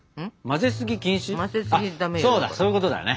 そうだそういうことだよね。